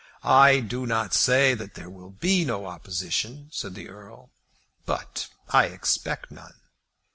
"I do not say that there will be no opposition," said the Earl, "but I expect none."